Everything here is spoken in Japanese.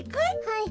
はい。